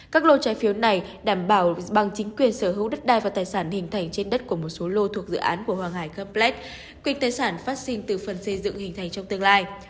các lô trái phiếu này đảm bảo bằng chính quyền sở hữu đất đai và tài sản hình thành trên đất của một số lô thuộc dự án của hoàng hải caplet quyền tài sản phát sinh từ phần xây dựng hình thành trong tương lai